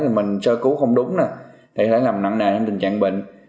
thì mình sơ cứu không đúng nè thì sẽ làm nặng nề hình tình trạng bệnh